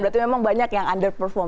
berarti memang banyak yang underperform